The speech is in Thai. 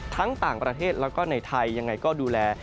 ทั้งต่างประเทศและในไทยยังไงก็ดูแล